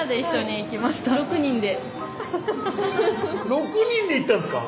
６人で行ったんですか！？